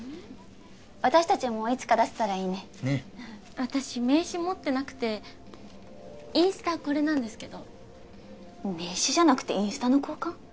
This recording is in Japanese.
私達もいつか出せたらいいねねっ私名刺持ってなくてインスタこれなんですけど名刺じゃなくてインスタの交換？